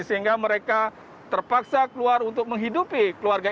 sehingga mereka terpaksa keluar untuk menghidupi keluarga